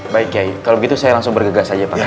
baik kiai kalau begitu saya langsung bergegas saja pak kiai